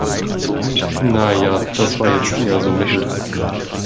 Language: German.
Na ja, das war jetzt eher so mittel.